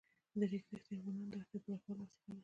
د ریګ دښتې د افغانانو د اړتیاوو د پوره کولو وسیله ده.